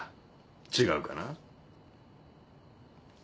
違うかな？